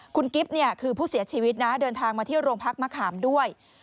คุณกิ๊บเนี่ยคือผู้เสียชีวิตนะเดินทางมาที่โรงพักมะขามด้วย